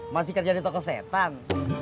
masih kerja di toko setan